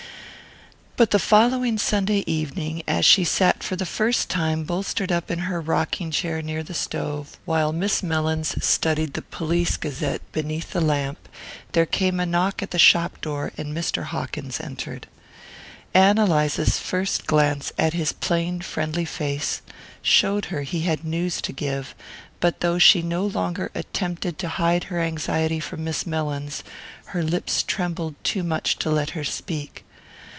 But the following Sunday evening, as she sat for the first time bolstered up in her rocking chair near the stove, while Miss Mellins studied the Police Gazette beneath the lamp, there came a knock on the shop door and Mr. Hawkins entered. Ann Eliza's first glance at his plain friendly face showed her he had news to give, but though she no longer attempted to hide her anxiety from Miss Mellins, her lips trembled too much to let her speak.